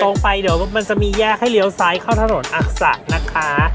ลงไปเดี๋ยวมันจะมีแยกให้เลี้ยวซ้ายเข้าถนนอักษะนะคะ